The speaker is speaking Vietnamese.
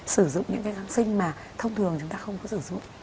sử dụng những cái kháng sinh mà thông thường chúng ta không có sử dụng